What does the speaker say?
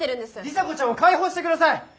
里紗子ちゃんを解放して下さい！